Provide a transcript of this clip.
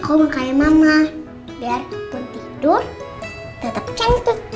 aku mau kayak mama biarpun tidur tetap cantik